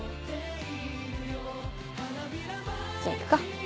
じゃあ行くか。